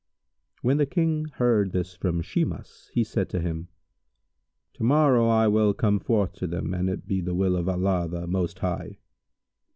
When the King heard this from Shimas he said to him, "To morrow I will come forth to them, an it be the will of Allah the Most High."